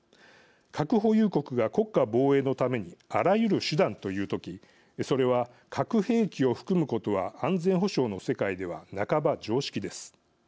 核保有国が国家防衛のためにあらゆる手段という時それは核兵器を含むことは安全保障の世界ではなかば常識です。